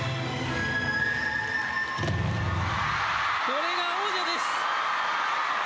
これが王者です。